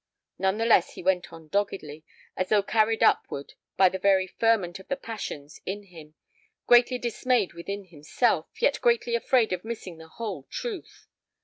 None the less he went on doggedly, as though carried upward by the very ferment of the passions in him, greatly dismayed within himself, yet greatly afraid of missing the whole truth.